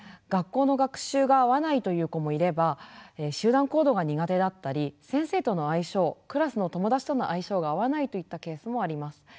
学校の学習が合わないという子もいれば集団行動が苦手だったり先生との相性クラスの友達との相性が合わないといったケースもあります。